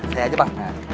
saya aja bang